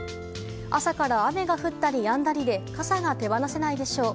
朝から雨が降ったりやんだりで傘が手放せないでしょう。